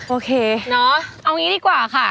โอเคเนาะเอางี้ดีกว่าค่ะ